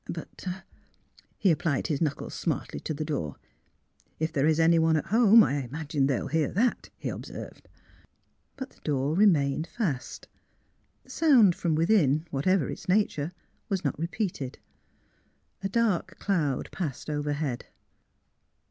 But " He applied his knuckles smartly to the door. '' If there is anyone at home, I imagine they will hear that," he observed. But the door remained fast. The sound from within, whatever its nature, was not repeated. A dark cloud passed overhead.